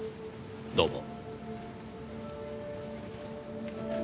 どうも。